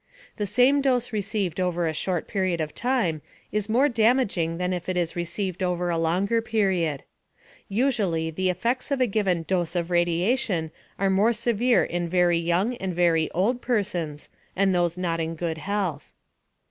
The same dose received over a short period of time is more damaging than if it is received over a longer period. Usually, the effects of a given dose of radiation are more severe in very young and very old persons, and those not in good health.